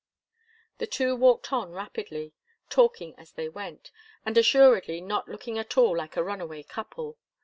The two walked on rapidly, talking as they went, and assuredly not looking at all like a runaway couple.